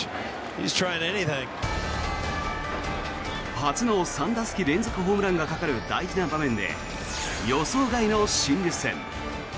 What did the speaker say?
初の３打席連続ホームランがかかる大事な場面で予想外の心理戦。